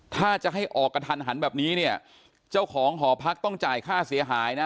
ถ้าจะให้ออกกระทันหันแบบนี้เนี่ยเจ้าของหอพักต้องจ่ายค่าเสียหายนะ